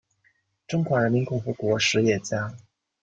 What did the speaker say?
中华人民共和国实业家。